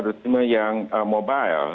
terorisme yang mobile